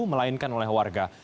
melainkan oleh warga